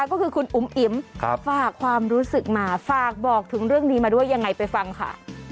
ก็คือคุณอุ๋มอิ๋มฝากความรู้สึกมาฝากบอกถึงเรื่องนี้มาด้วยยังไงไปฟังค่ะ